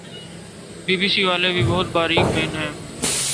be B C والے بھی بہت باریک بین ہیں